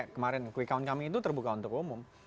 kemarin quick count kami itu terbuka untuk umum